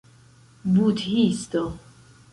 budhisto